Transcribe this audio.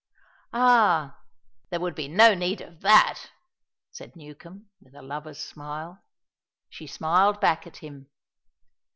"Ah! there would be no need of that!" said Newcombe, with a lover's smile. She smiled back at him.